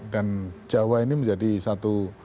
dan jawa ini menjadi satu